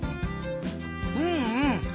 うんうん。